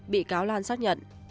bị cáo lan xác nhận